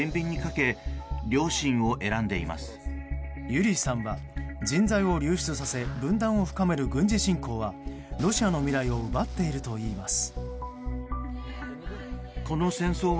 ユリーさんは人材を流出させ分断を深める軍事侵攻はロシアの未来を奪っているといいます。